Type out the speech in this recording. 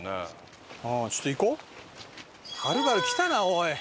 はるばる来たなおい。